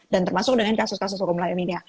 dan termasuk dengan kasus kasus hukum lainnya